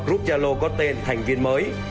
group gia lô có tên thành viên mới